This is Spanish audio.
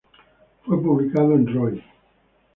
Fue publicado en "Roy.